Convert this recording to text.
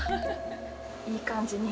いい感じに。